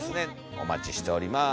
お待ちしております